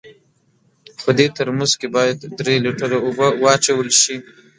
په دې ترموز کې باید درې لیټره اوبه واچول سي.